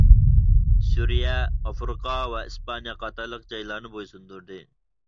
سۈرىيە، ئافرىقا ۋە ئىسپانىيە قاتارلىق جايلارنى بويسۇندۇردى.